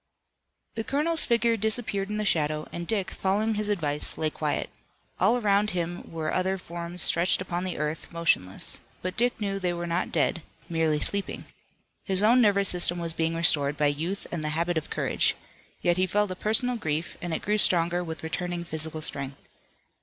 The colonel's figure disappeared in the shadow, and Dick, following his advice, lay quiet. All around him were other forms stretched upon the earth, motionless. But Dick knew they were not dead, merely sleeping. His own nervous system was being restored by youth and the habit of courage. Yet he felt a personal grief, and it grew stronger with returning physical strength.